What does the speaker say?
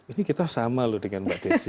ini kita sama loh dengan mbak desi